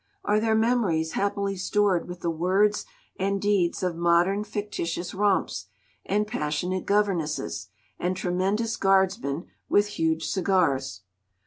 Are their memories happily stored with the words and deeds of modern fictitious romps, and passionate governesses, and tremendous guardsmen with huge cigars?